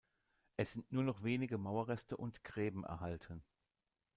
Es sind nur noch wenige Mauerreste und Gräben erhalten.